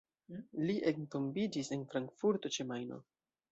Li entombiĝis en Frankfurto ĉe Majno.